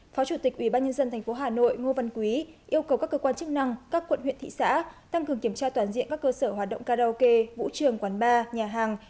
phó chủ tịch ubnd tp hà nội ngô văn quý yêu cầu các cơ quan chức năng các quận huyện thị xã tăng cường kiểm tra toàn diện các cơ sở hoạt động karaoke vũ trường quán bar nhà hàng